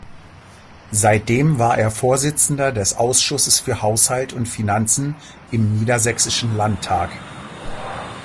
Seitdem war er Vorsitzender des Ausschusses für Haushalt und Finanzen im Niedersächsischen Landtag.